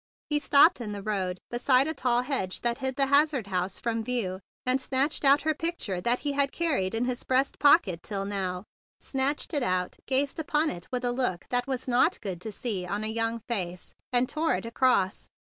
He stopped in the road beside a tall hedge that hid the Hazard house from view, and snatched out her picture that he had carried in his breast pocket till now; snatched it out, gazed upon it with a look that was not good to see on a young face, and tore it across!